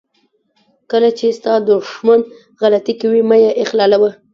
کله چې ستا دښمن غلطي کوي مه یې اخلالوه.